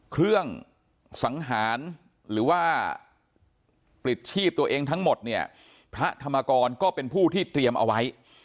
เครื่องสังหารหรือว่าปลิดชีพตัวเองทั้งหมดเนี่ยพระธรรมกรก็เป็นผู้ที่เตรียมเอาไว้